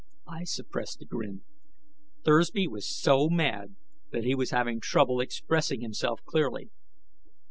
I suppressed a grin. Thursby was so mad that he was having trouble expressing himself clearly.